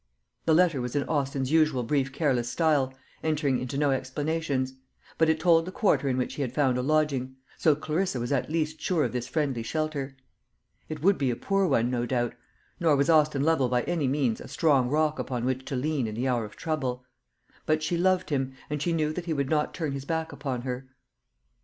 The letter was in Austin's usual brief careless style, entering into no explanations; but it told the quarter in which he had found a lodging; so Clarissa was at least sure of this friendly shelter. It would be a poor one, no doubt; nor was Austin Lovel by any means a strong rock upon which to lean in the hour of trouble. But she loved him, and she knew that he would not turn his back upon her.